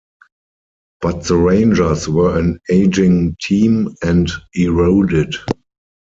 But the Rangers were an aging team, and eroded.